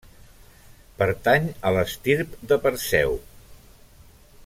Pertany a l'estirp de Perseu.